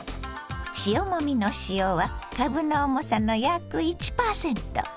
塩もみの塩はかぶの重さの約１％。